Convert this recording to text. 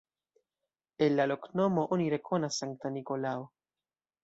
El la loknomo oni rekonas Sankta Nikolao.